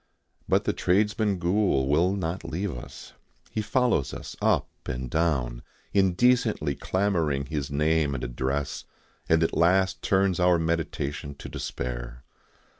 But the tradesman ghoul will not leave us; he follows us up and down, indecently clamouring his name and address, and at last turns our meditation to despair.